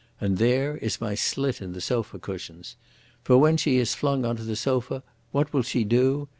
And there is my slit in the sofa cushions. For when she is flung on to the sofa, what will she do?